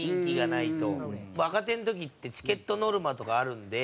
若手の時ってチケットノルマとかあるんで。